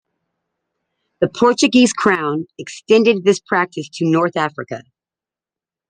The Portuguese crown extended this practice to North Africa.